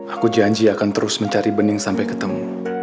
aku janji akan terus mencari bening sampai ketemu